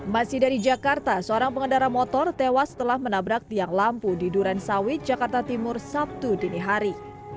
masih dari jakarta seorang pengendara motor tewas setelah menabrak tiang lampu di duren sawit jakarta timur sabtu dini hari